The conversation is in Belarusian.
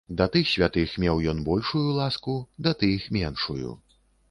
Да тых святых меў ён большую ласку, да тых меншую.